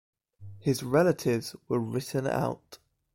His relatives were written out.